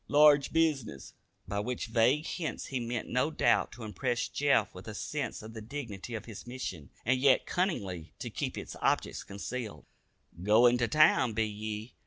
Large bizness." By which vague hints he meant no doubt to impress Jeff with a sense of the dignity of his mission, and yet cunningly to keep its object concealed. "Goin' to town, be ye?